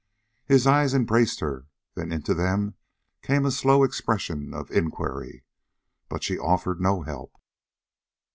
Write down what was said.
His eyes embraced her; then into them came a slow expression of inquiry. But she offered no help.